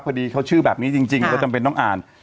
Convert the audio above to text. ก็ดีเค้าชื่อแบบนี้จริง